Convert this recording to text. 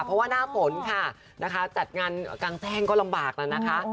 เพราะว่าหน้าผลค่ะจัดงานกางแจ้งก็ลำบากนะนะคะ